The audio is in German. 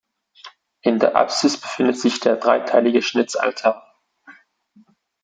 In der Apsis befindet sich der dreiteilige Schnitzaltar.